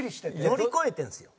乗り越えてるんですよ。